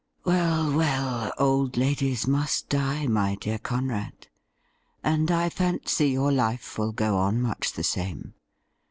' Well, well, old ladies must die, my dear Conrad, and I fancy your life will go on much the same.